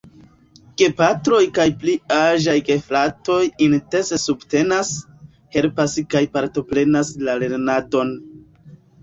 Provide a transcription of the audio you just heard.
Gepatroj kaj pli aĝaj gefratoj intense subtenas, helpas kaj partoprenas la lernadon.